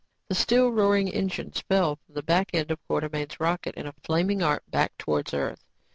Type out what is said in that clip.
the still roaring engine fell from the back end of Quartermain's rocket in a flaming arc back towards Earth.